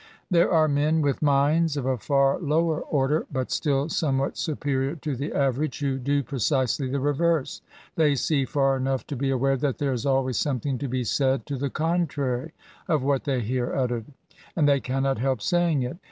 There are men with minds of a far lower order, but still somewhat superior to the average, who do precisely the reverse, — ^they see far enough to be aware that there is always something to be said to the contrary of what they hear uttered ; and they cannot help saying it.